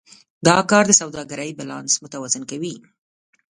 دا کار د سوداګرۍ بیلانس متوازن کوي.